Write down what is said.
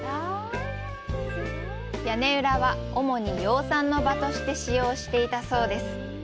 屋根裏は主に養蚕の場として使用していたそうです。